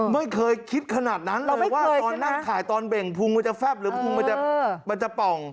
ไม่เคยคิดขนาดนั้นเลยว่านอนั่งไข่ตอนเบ่งพุงมันจะแฟบหรือทั่วจะป่อง